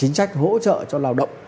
chính trách hỗ trợ cho lào động